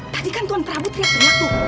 tadi kan tuan prabu terlihat bener tuh